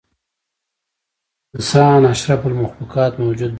انسان اشرف المخلوق موجود دی.